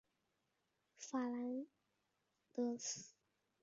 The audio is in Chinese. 法兰德斯。